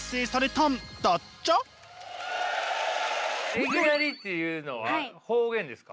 いぎなりというのは方言ですか？